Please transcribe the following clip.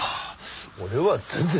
俺は全然。